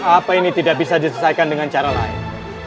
apa ini tidak bisa diselesaikan dengan cara lain